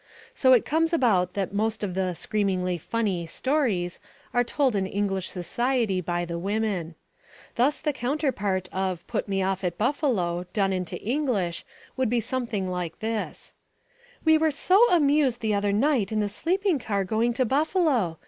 So it comes about that most of the "screamingly funny" stories are told in English society by the women. Thus the counterpart of "put me off at Buffalo" done into English would be something like this: "We were so amused the other night in the sleeping car going to Buffalo.